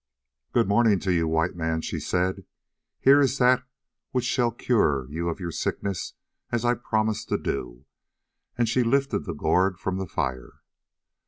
"Good morning to you, White Man," she said; "here is that which shall cure you of your sickness as I promised to do;" and she lifted the gourd from the fire.